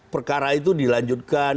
perkara itu dilanjutkan